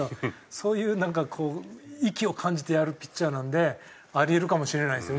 そういう意気を感じてやるピッチャーなのであり得るかもしれないですよ。